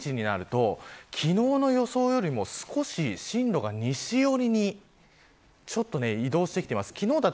その後１４日、１５日になると昨日の予想よりも少し進路が西寄りに移動してきています。